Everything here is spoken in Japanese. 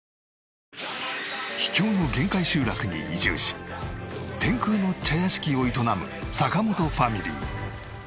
．．．秘境の限界集落に移住し天空の茶屋敷を営む坂本ファミリー。